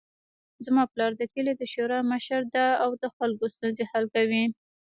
زما پلار د کلي د شورا مشر ده او د خلکو ستونزې حل کوي